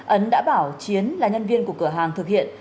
ấn đã bảo chiến là nhân viên của cửa hàng thực hiện